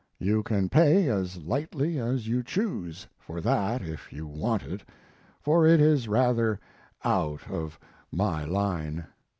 You can pay as lightly as you choose for that if you want it, for it is rather out of my line.